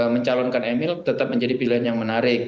mencalonkan emil tetap menjadi pilihan yang menarik